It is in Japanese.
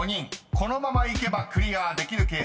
このままいけばクリアできる計算］